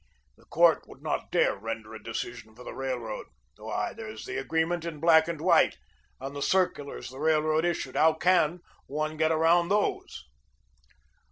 The court would not dare render a decision for the Railroad. Why, there's the agreement in black and white and the circulars the Railroad issued. How CAN one get around those?"